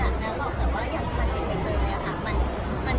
เอ่อเราก็ทำว่ามีรายอย่างไรงั้น